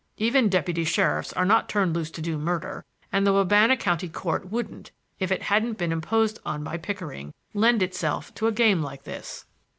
Even deputy sheriffs are not turned loose to do murder, and the Wabana County Court wouldn't, if it hadn't been imposed on by Pickering, lend itself to a game like this."